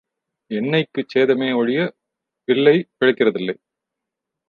எண்ணெய்க்குச் சேதமே ஒழியப் பிள்ளை பிழைக்கிறதில்லை.